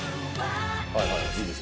はいはいいいですよ。